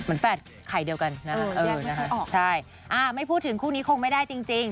เหมือนแฝดไข่เดียวกันนะฮะใช่ไม่พูดถึงคู่นี้คงไม่ได้จริง